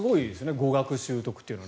語学習得というのは。